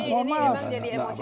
ini memang jadi emosi